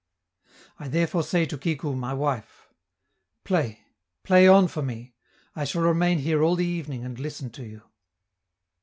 I therefore say to Kikou, my wife: "Play, play on for me; I shall remain here all the evening and listen to you."